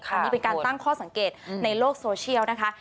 อันนี้เป็นการตั้งข้อสังเกตในโลกโซเชียลนะคะ